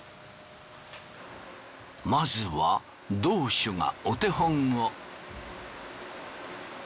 まずは道主がお手本を。